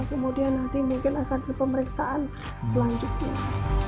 kemudian nanti mungkin akan ada pemeriksaan selanjutnya